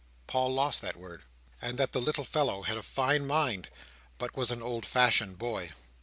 Paul lost that word. And that the little fellow had a fine mind, but was an old fashioned boy.